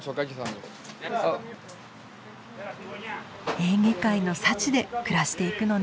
エーゲ海の幸で暮らしていくのね。